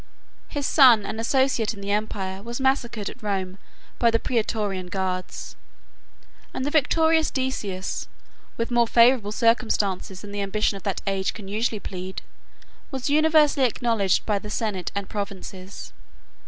His son and associate in the empire was massacred at Rome by the Prætorian guards; and the victorious Decius, with more favorable circumstances than the ambition of that age can usually plead, was universally acknowledged by the senate and provinces.